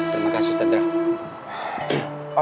terima kasih ustaz dara